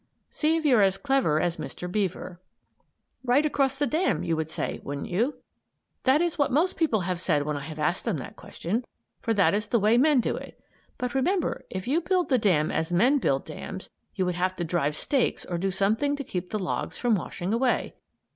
SEE IF YOU'RE AS CLEVER AS MR. BEAVER "Right across the dam," you would say, wouldn't you? That is what most people have said when I have asked them that question; for that is the way men do it. But remember, if you built the dam as men build dams you would have to drive stakes or do something to keep the logs from washing away.